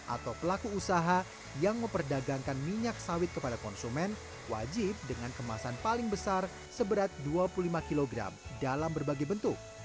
atau pelaku usaha yang memperdagangkan minyak sawit kepada konsumen wajib dengan kemasan paling besar seberat dua puluh lima kg dalam berbagai bentuk